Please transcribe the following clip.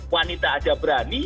wanita ada berani